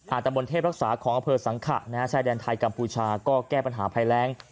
ตำบลเทพรักษาของอำเภอสังขะชายแดนไทยกัมพูชาก็แก้ปัญหาภัยแรง